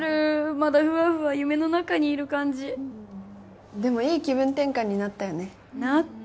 まだフワフワ夢の中にいる感じでもいい気分転換になったよねなった！